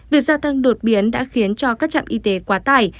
việc gia tăng đột biến đã khiến cho các trạm y tế quá tải